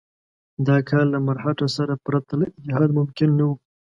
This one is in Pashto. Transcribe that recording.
دا کار له مرهټه سره پرته له اتحاد ممکن نه وو.